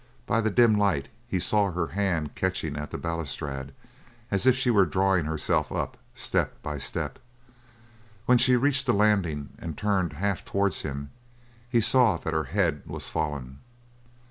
By the dim light he saw her hand catching at the balustrade as if she were drawing herself up, step by step. When she reached the landing and turned half towards him, he saw that her head was fallen.